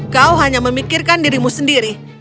kau hanya memikirkan dirimu sendiri